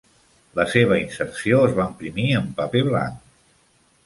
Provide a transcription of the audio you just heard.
La seva inserció es va imprimir en paper blanc.